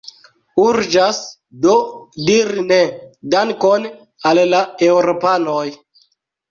Urĝas do diri ne, dankon al la eŭropanoj.